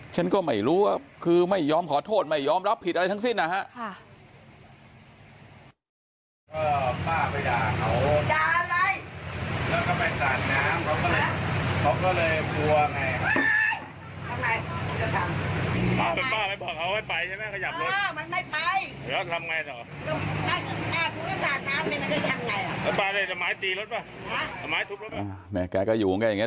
ฉันก็ไม่รู้ว่าคือไม่ยอมขอโทษไม่ยอมรับผิดอะไรทั้งสิ้นนะฮะ